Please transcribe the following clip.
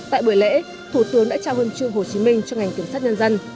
tại buổi lễ thủ tướng đã trao huân chương hồ chí minh cho ngành kiểm sát nhân dân